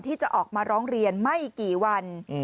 ที่จะออกมาร้องเรียนไม่กี่วัน